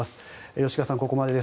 吉川さん、ここまでです。